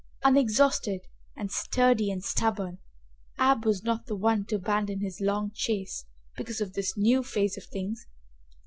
Unexhausted and sturdy and stubborn, Ab was not the one to abandon his long chase because of this new phase of things.